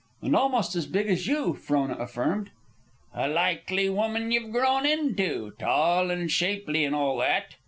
"And almost as big as you," Frona affirmed. "A likely woman ye've grown into, tall, an' shapely, an' all that."